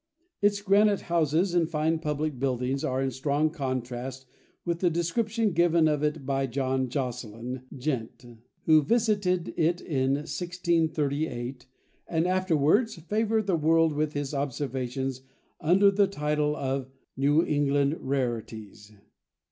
Its granite houses and fine public buildings are in strong contrast with the description given of it by John Josselyn, Gent. who visited it in 1638, and afterwards favoured the world with his observations under the title of "New England Rarities."